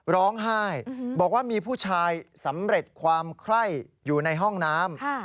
ร้องไห้บอกว่ามีผู้ชายสำเร็จความไคร้อยู่ในห้องน้ำ